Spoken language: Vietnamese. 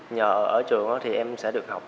nhờ ở trường thì em sẽ được học